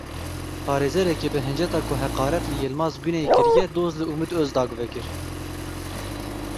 Parêzerekî bi hinceta ku heqaret li Yilmaz Guney kiriye doz li Umit Ozdag vekir.